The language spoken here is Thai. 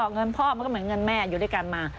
เงินพ่อมันก็เหมือนเงินแม่อยู่ด้วยกันมา